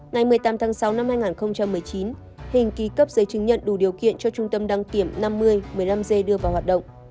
ngày một mươi tám tháng sáu năm hai nghìn một mươi chín hình ký cấp giấy chứng nhận đủ điều kiện cho trung tâm đăng kiểm năm mươi một mươi năm g đưa vào hoạt động